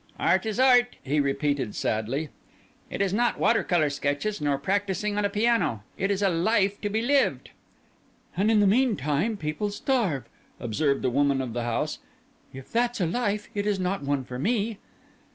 "Art is Art," he repeated sadly. "It is not water colour sketches, nor practising on a piano. It is a life to be lived." "And in the meantime people starve!" observed the woman of the house. "If that's a life, it is not one for me."